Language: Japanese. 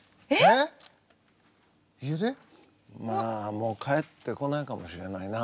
もう帰ってこないかもしれないな。